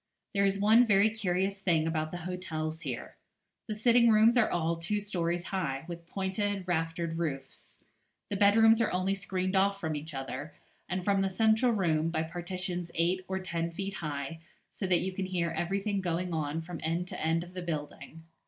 There is one very curious thing about the hotels here. The sitting rooms are all two stories high, with pointed raftered roofs. The bedrooms are only screened off from each other, and from the central room, by partitions eight or ten feet high, so that you can hear everything going on from end to end of the building.